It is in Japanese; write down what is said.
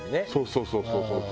そうそうそうそう！